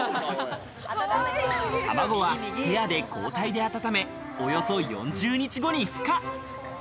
卵はペアで交代で温め、およそ４０日後に孵化。